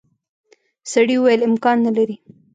سړي وویل امکان نه لري.